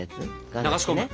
流し込む？